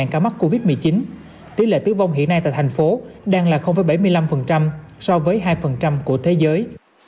hai ca mắc covid một mươi chín tỷ lệ tử vong hiện nay tại thành phố đang là bảy mươi năm so với hai của thế giới